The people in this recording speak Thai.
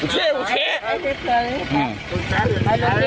เจ้าดังโอ้โฮ